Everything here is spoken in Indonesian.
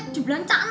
jemputan cantik ih